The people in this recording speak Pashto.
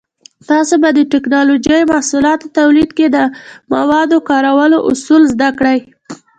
تاسو به د ټېکنالوجۍ محصولاتو تولید کې د موادو کارولو اصول زده کړئ.